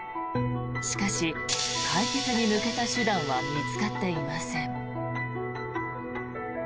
しかし、解決に向けた手段は見つかっていません。